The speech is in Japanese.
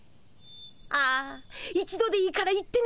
ああ一度でいいから行ってみたい。